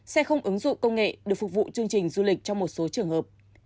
xe không ứng dụng công nghệ được phục vụ chương trình du lịch cho một số trường hợp